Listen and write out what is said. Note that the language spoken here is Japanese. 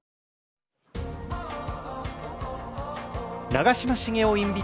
長嶋茂雄